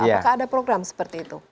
apakah ada program seperti itu